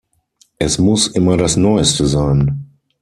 Es muss immer das neueste sein.